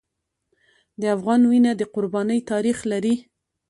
د افغان وینه د قربانۍ تاریخ لري.